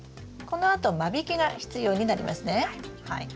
このあと間引きが必要になりますね。